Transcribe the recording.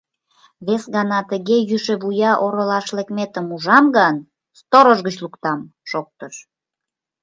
— Вескана тыге йӱшӧ вуя оролаш лекметым ужам гын, сторож гыч луктам! — шоктыш.